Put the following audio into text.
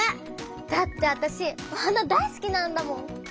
だってあたしお花大すきなんだもん！